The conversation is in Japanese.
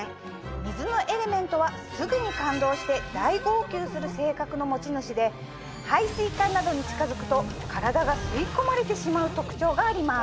水のエレメントはすぐに感動して大号泣する性格の持ち主で排水管などに近づくと体が吸い込まれてしまう特徴があります。